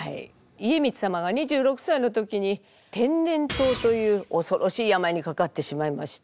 家光様が２６歳の時に天然痘という恐ろしい病にかかってしまいまして。